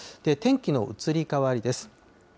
天気の移り変わりです。